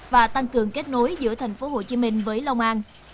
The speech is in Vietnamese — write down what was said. và tăng cường kết nối giữa tp hcm với long an